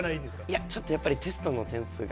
いや、ちょっとやっぱりテストの点数が。